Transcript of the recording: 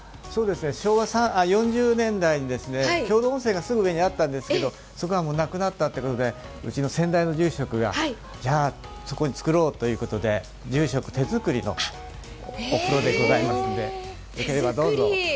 昭和４０年代に共同温泉がすぐ上にあったんですけどそこはもうなくなったということで、うちの先代の住職がじゃあ、そこに造ろうということで住職手作りのお風呂でございますので、できればどうぞ。